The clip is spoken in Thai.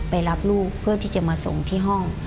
รับลูกเพื่อที่จะมาส่งที่ห้อง